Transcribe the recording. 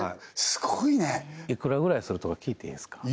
スゴいねいくらぐらいするとか聞いていいんすか？